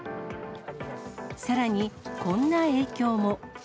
さらに、こんな影響も。